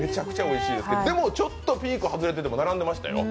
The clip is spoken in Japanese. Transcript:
でも、ちょっとピーク外れても並んでましたよ。